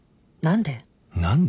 何で？